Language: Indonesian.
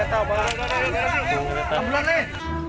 saya lihat tau bawa kereta